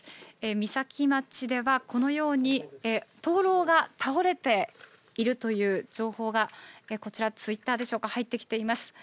三崎町では、このように灯籠が倒れているという情報が、こちら、ツイッターでしょうか、入ってきています。